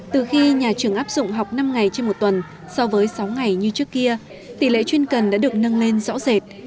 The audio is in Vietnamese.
từ khi nhà trường áp dụng học năm ngày trên một tuần so với sáu ngày như trước kia tỷ lệ chuyên cần đã được nâng lên rõ rệt